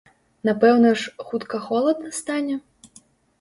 Напэўна ж, хутка холадна стане?